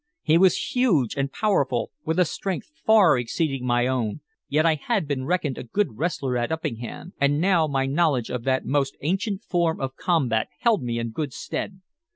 He was huge and powerful, with a strength far exceeding my own, yet I had been reckoned a good wrestler at Uppingham, and now my knowledge of that most ancient form of combat held me in good stead.